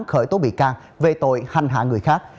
khởi tố bị can về tội hành hạ người khác